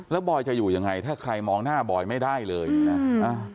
แล้วบอยจะอยู่ยังไงถ้าใครมองหน้าบอยไม่ได้เลยนะ